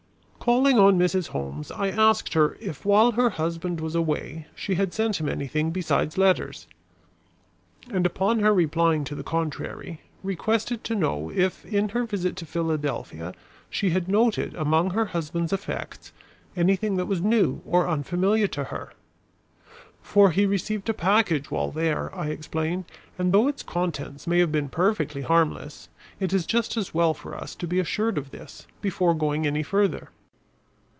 Calling on Mrs. Holmes, I asked her if, while her husband was away she had sent him anything besides letters, and upon her replying to the contrary, requested to know if in her visit to Philadelphia she had noted among her husband's effects anything that was new or unfamiliar to her, "For he received a package while there," I explained, "and though its contents may have been perfectly harmless, it is just as well for us to be assured of this, before going any further."